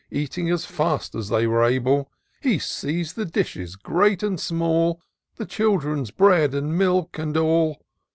Eating as fast as they were able. He seiz'd the dishes, great and small. The children's bread and milk, and all